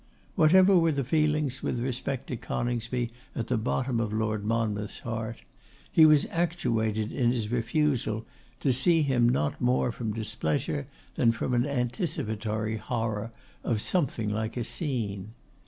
Whatever were the feelings with respect to Coningsby at the bottom of Lord Monmouth's heart, he was actuated in his refusal to see him not more from displeasure than from an anticipatory horror of something like a scene.